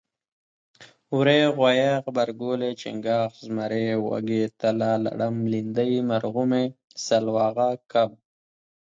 وری غوایي غبرګولی چنګاښ زمری وږی تله لړم لیندۍ مرغومی سلواغه کب